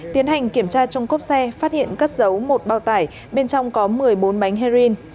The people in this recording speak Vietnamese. tiến hành kiểm tra trong cốp xe phát hiện cất giấu một bao tải bên trong có một mươi bốn bánh heroin